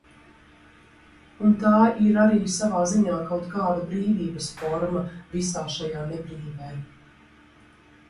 Un tā ir arī savā ziņā kaut kāda brīvības forma visā šajā nebrīvē.